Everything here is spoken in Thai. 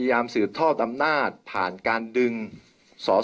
เพื่อยุดยั้งการสืบทอดอำนาจของขอสอชอต่อและยังพร้อมจะเป็นนายกรัฐมนตรี